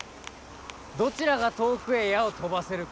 どちらが遠くへ矢を飛ばせるか。